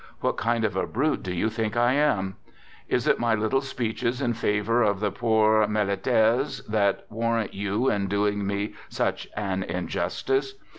What kind of a brute do you think I am ? Is it my little speeches in favor of the poor " meletaires " that warrant you in doing me such an injustice?